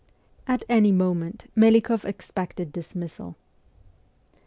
At any moment Melikoff expected dis missal.